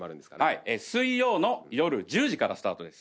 水曜の夜１０時からスタートです。